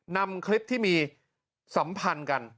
นำคลิปที่มีสัมพันธ์กัน